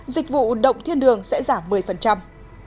dịch vụ động thiên đường sẽ giảm một mươi